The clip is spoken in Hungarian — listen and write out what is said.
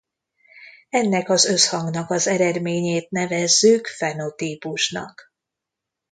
Ennek az összhangnak az eredményét nevezzük fenotípusnak.